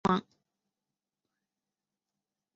纳希尔圣剑似乎被交给精灵君王。